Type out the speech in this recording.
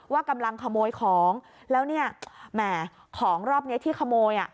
ว่ากำลังขโมยของแล้วเนี่ยแหมของรอบนี้ที่ขโมยอ่ะ